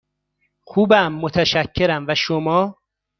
خوبم، متشکرم، و شما؟